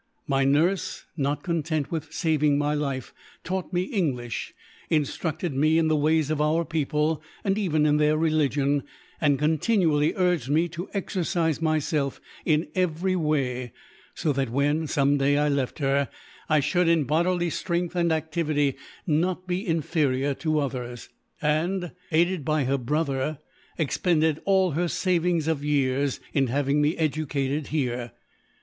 My nurse, not content with saving my life, taught me English, instructed me in the ways of our people, and even in their religion, and continually urged me to exercise myself in every way; so that when, some day, I left her, I should in bodily strength and activity not be inferior to others; and, aided by her brother, expended all her savings, of years, in having me educated here.